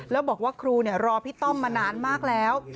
แล้วบอกว่าครูรอพี่ต้อมมานานมากแล้ว